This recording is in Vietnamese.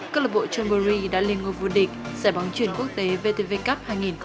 club john burry đã lên ngôi vua địch giải bóng chuyển quốc tế vtv cup hai nghìn một mươi sáu